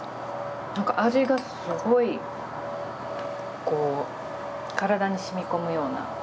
なんか味がすごいこう体にしみこむような。